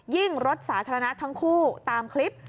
รถสาธารณะทั้งคู่ตามคลิป